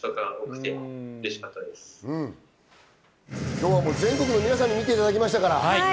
今日は全国の皆さんに見ていただきました。